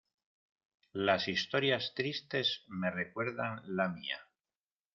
las historias tristes me recuerdan la mía.